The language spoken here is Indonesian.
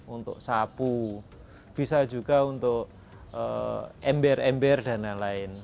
untuk sapu bisa juga untuk ember ember dan lain lain